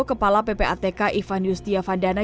kepala ppatk ivan yustia vandana